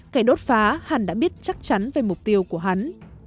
kẻ đốt phá hắn đã biết chắc chắn về mục tiêu của hắn